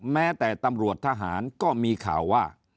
แม้แต่ตำรวจทหารก็มีข่าวว่า